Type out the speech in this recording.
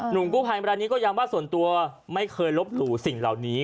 กู้ภัยเวลานี้ก็ย้ำว่าส่วนตัวไม่เคยลบหลู่สิ่งเหล่านี้